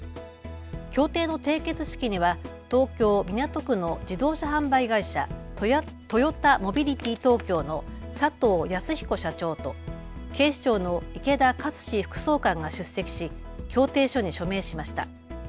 協定の締結式には東京港区の自動車販売会社、トヨタモビリティ東京の佐藤康彦社長と警視庁の池田克史副総監が出席し協定書に署名しました。